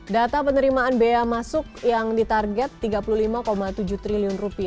data penerimaan bea masuk yang ditarget rp tiga puluh lima tujuh triliun